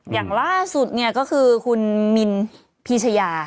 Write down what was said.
อย่างล่าสุดเนี่ยก็คือคุณมินพีชยา